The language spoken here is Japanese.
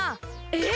えっ！？